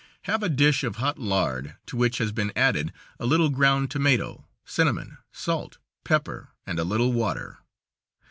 Have a dish of hot lard, to which has been added a little ground tomato, cinnamon, salt, pepper, and a little water.